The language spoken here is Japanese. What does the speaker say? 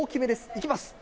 いきます。